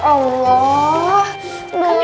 kok mending mau masuk